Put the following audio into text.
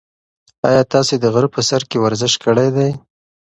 ایا تاسي د غره په سر کې ورزش کړی دی؟